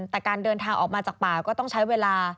แต่การเดินทางออกมาจากป่าก็ต้องใช้เวลา